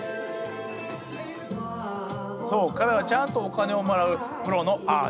そう彼らはちゃんとお金をもらうプロのアーティスト。